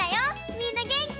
みんなげんき？